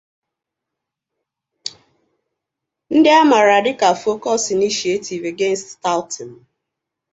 ndị a maara dịka 'Focus Initiative Against Touting